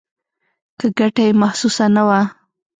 که ګټه یې محسوسه نه وه.